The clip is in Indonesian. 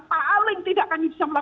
paling tidak kami bisa